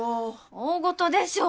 大ごとでしょ！